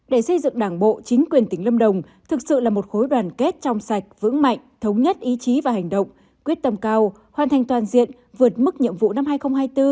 để xây dựng đảng bộ chính quyền tỉnh lâm đồng thực sự là một khối đoàn kết trong sạch vững mạnh thống nhất ý chí và hành động quyết tâm cao hoàn thành toàn diện vượt mức nhiệm vụ năm hai nghìn hai mươi bốn